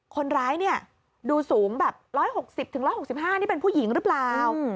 คนร้ายเนี่ยดูสูงแบบ๑๖๐๑๖๕นี่เป็นผู้หญิงหรือเปล่า